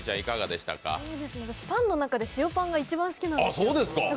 私パンの中で塩パンが一番好きなんですよ。